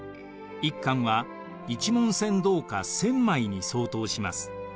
一貫は一文銭銅貨１，０００枚に相当します。